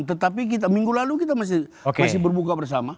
tetapi kita minggu lalu kita masih berbuka bersama